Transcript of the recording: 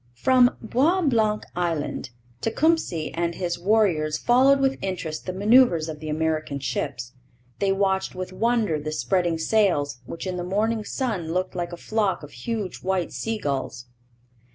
From Bois Blanc Island Tecumseh and his warriors followed with interest the manoeuvres of the American ships. They watched with wonder the spreading sails, which in the morning sun looked like a flock of huge white sea gulls.